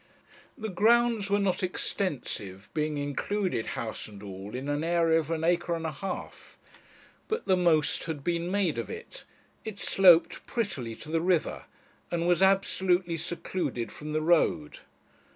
The grounds were not extensive, being included, house and all, in an area of an acre and a half: but the most had been made of it; it sloped prettily to the river, and was absolutely secluded from the road.